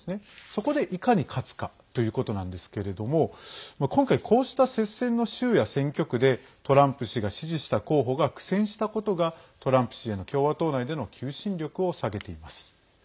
そこで、いかに勝つかということなんですけれども今回、こうした接戦の州や選挙区でトランプ氏が支持した候補が苦戦したことがトランプ氏への共和党内での求心力を下げています。